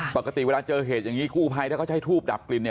ปกติเวลาเจอเหตุอย่างนี้กู้ภัยแล้วก็ใช้ทูบดับกลิ่นเนี่ย